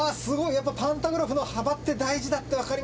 やっぱパンタグラフの幅って大事だってわかりますね。